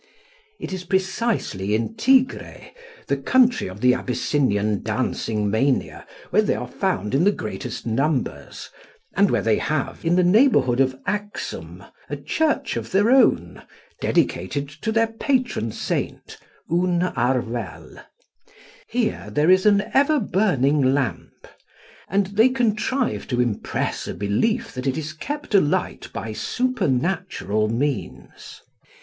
It is precisely in Tigre, the country of the Abyssinian dancing mania, where they are found in the greatest numbers, and where they have, in the neighbourhood of Axum, a church of their own, dedicated to their patron saint, Oun Arvel. Here there is an ever burning lamp, and they contrive to impress a belief that this is kept alight by supernatural means.